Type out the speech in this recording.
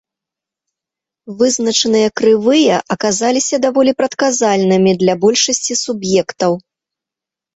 Вызначаныя крывыя аказаліся даволі прадказальнымі для большасці суб'ектаў.